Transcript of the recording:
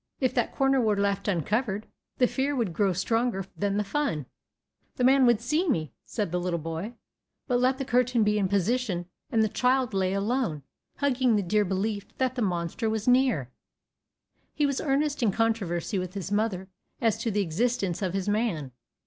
If that corner were left uncovered, the fear would grow stronger than the fun; "the man would see me," said the little boy. But let the curtain be in position, and the child lay alone, hugging the dear belief that the monster was near. He was earnest in controversy with his mother as to the existence of his man.